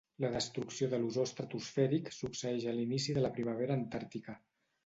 La destrucció de l'ozó estratosfèric succeeix a l'inici de la primavera antàrtica.